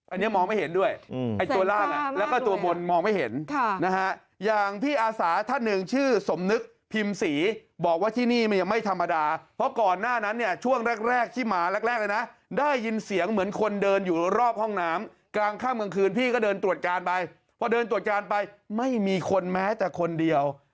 อันนี้มองไม่เห็นด้วยไอ้ตัวล่างแล้วก็ตัวบนมองไม่เห็นนะฮะอย่างพี่อาสาท่านหนึ่งชื่อสมนึกพิมพ์ศรีบอกว่าที่นี่มันยังไม่ธรรมดาเพราะก่อนหน้านั้นเนี่ยช่วงแรกแรกที่หมาแรกเลยนะได้ยินเสียงเหมือนคนเดินอยู่รอบห้องน้ำกลางข้ามกลางคืนพี่ก็เดินตรวจการไปพอเดินตรวจการไปไม่มีคนแม้แต่คนเดียว